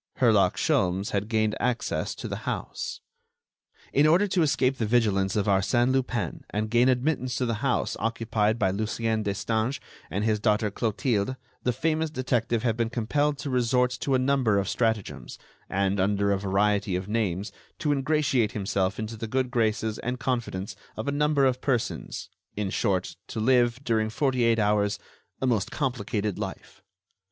Herlock Sholmes had gained access to the house. In order to escape the vigilance of Arsène Lupin and gain admittance to the house occupied by Lucien Destange and his daughter Clotilde, the famous detective had been compelled to resort to a number of stratagems, and, under a variety of names, to ingratiate himself into the good graces and confidence of a number of persons—in short, to live, during forty eight hours, a most complicated life.